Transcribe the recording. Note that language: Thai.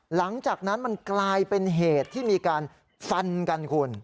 หลังจากนั้นมันกลายเป็นเหตุที่มีการฟันกันคุณ